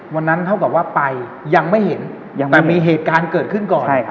วันนั้นเท่ากับว่าไปยังไม่เห็นแต่มีเหตุการณ์เกิดขึ้นก่อน